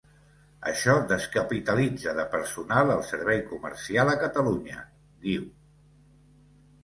“Això descapitalitza de personal el servei comercial a Catalunya”, diu.